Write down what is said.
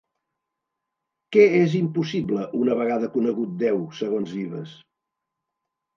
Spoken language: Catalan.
Què és impossible una vegada conegut Déu segons Vives?